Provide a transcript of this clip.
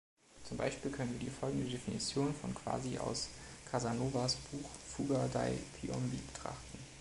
Zum Beispiel können wir die folgende Definition von quasi aus Casanovas Buch Fuga dai Piombi betrachten.